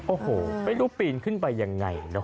โอ้โหไม่รู้ปีนขึ้นไปยังไงนะ